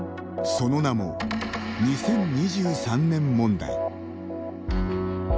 その名も、２０２３年問題。